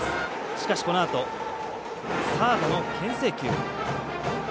しかし、このあとサードのけん制球。